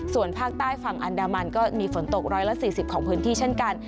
ส่วนภาคใต้ฝั่งอันดามันก็มีฝนตกร้อยละสี่สิบของพื้นที่เช่นกัน